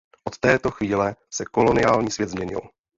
Od této chvíle se koloniální svět změnil.